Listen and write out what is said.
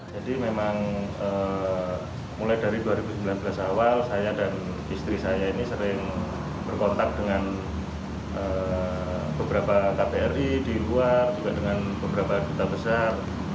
jadi memang mulai dari dua ribu sembilan belas awal saya dan istri saya ini sering berkontak dengan beberapa kprd di luar juga dengan beberapa duta besar